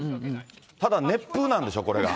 ただ、熱風なんでしょ、これが。